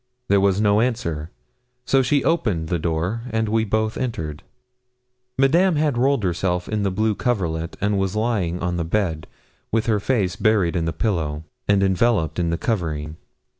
There was no answer; so she opened the door, and we both entered. Madame had rolled herself in the blue coverlet, and was lying on the bed, with her face buried in the pillow, and enveloped in the covering.